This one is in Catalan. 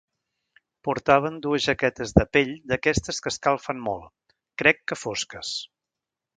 Portaven dues jaquetes de pell d'aquestes que escalfen molt... crec que fosques...